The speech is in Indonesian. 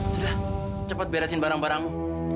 sudah cepat beresin barang barangmu